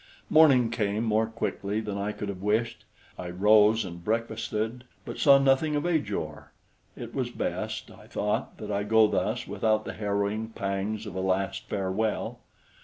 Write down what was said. Morning came more quickly than I could have wished. I rose and breakfasted, but saw nothing of Ajor. It was best, I thought, that I go thus without the harrowing pangs of a last farewell.